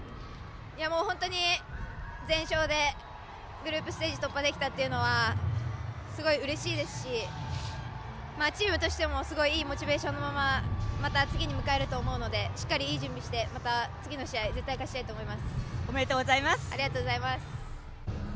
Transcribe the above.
本当に全勝でグループステージ突破できたのはうれしいですし、チームとしてもすごくいいモチベーションのまま次に向かえると思うのでしっかりいい準備をしてまた次の試合ありがとうございました。